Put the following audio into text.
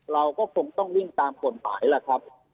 เราก็คงต้องวิ่งตามกฎหมายล่ะครับ